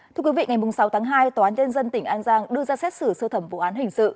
thưa quý vị ngày sáu tháng hai tòa án nhân dân tỉnh an giang đưa ra xét xử sơ thẩm vụ án hình sự